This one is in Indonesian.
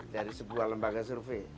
dari sebuah lembaga survei